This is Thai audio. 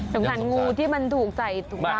สงสารงูที่มันถูกใส่ถุงเท้า